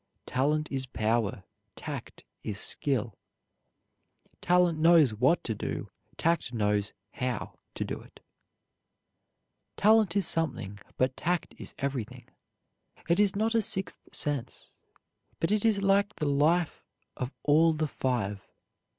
Talent is power, tact is skill. Talent knows what to do, tact knows how to do it. "Talent is something, but tact is everything. It is not a sixth sense, but it is like the life of all the five.